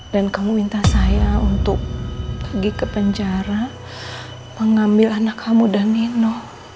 dan kamu minta saya untuk pergi ke penjara mengambil anak kamu dan nino